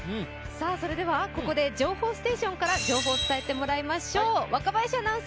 ここで情報ステーションから情報を伝えてもらいましょう。